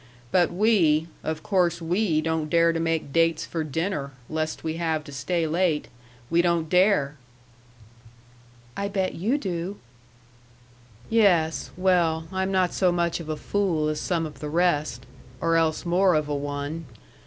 But we of course we don't dare to make dates for dinner, lest we have to stay late. We don't dare!" "I bet you do!" "Yes well, I'm not so much of a fool as some of the rest or else more of a one.